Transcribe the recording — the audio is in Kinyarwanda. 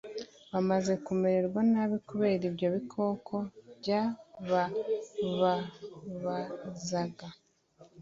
bamaze kumererwa nabi kubera ibyo bikoko byabababazaga